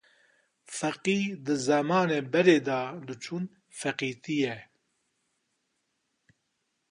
Feqî di zemanê berê de diçûn feqîtiye.